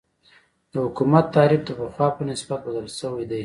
د حکومت تعریف د پخوا په نسبت بدل شوی دی.